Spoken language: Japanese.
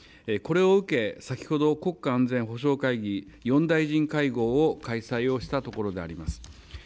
これを受け、先ほど、国家安全保障会議４大臣会合を開催をしたところであります。